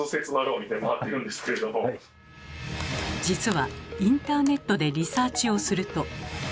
実はインターネットでリサーチをすると。